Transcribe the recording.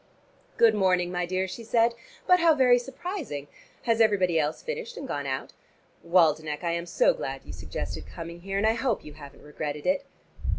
"Good morning, my dear," she said, "but how very surprising. Has everybody else finished and gone out? Waldenech, I am so glad you suggested coming here, and I hope you haven't regretted it."